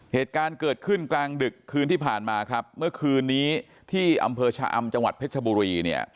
เหตุการณ์เกิดขึ้นกลางดึกคืนที่ผ่านมาครับเมื่อคืนนี้ที่อำเภอชะอำจังหวัดเพชรบุรีเนี่ย